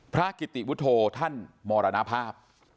กิติวุฒโธท่านมรณภาพ